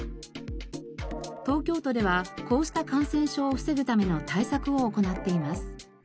東京都ではこうした感染症を防ぐための対策を行っています。